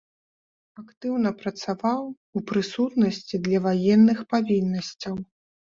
Актыўна працаваў у прысутнасці для ваенных павіннасцяў.